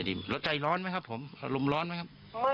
แล้วใจร้อนไหมครับผมอารมณ์ร้อนไหมครับ